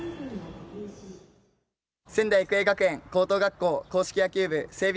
仙台育英学園高等学校硬式野球部整備